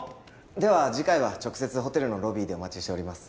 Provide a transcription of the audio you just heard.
では次回は直接ホテルのロビーでお待ちしております